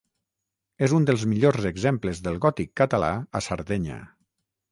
És un dels millors exemples del gòtic català a Sardenya.